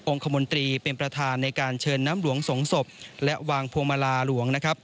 คมนตรีเป็นประธานในการเชิญน้ำหลวงสงศพและวางพวงมาลาหลวงนะครับ